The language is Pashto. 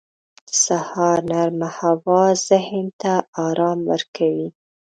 • د سهار نرمه هوا ذهن ته آرام ورکوي.